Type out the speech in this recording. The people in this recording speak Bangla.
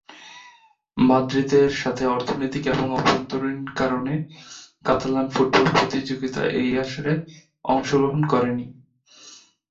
মাদ্রিদের সাথে অর্থনৈতিক এবং অভ্যন্তরীণ কারণে কাতালান ফুটবল প্রতিযোগিতা এই আসরে অংশগ্রহণ করেনি।